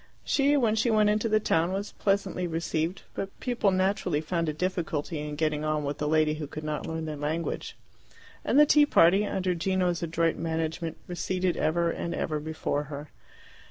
She, when she went into the town, was pleasantly received; but people naturally found a difficulty in getting on with a lady who could not learn their language. And the tea party, under Gino's adroit management, receded ever and ever before her.